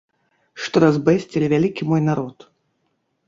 Што разбэсцілі вялікі мой народ.